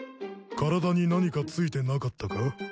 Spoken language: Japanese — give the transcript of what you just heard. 体に何かついてなかったか？